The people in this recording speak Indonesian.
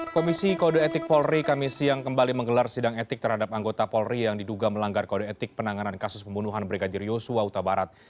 komisi kode etik polri kami siang kembali menggelar sidang etik terhadap anggota polri yang diduga melanggar kode etik penanganan kasus pembunuhan brigadir yosua utabarat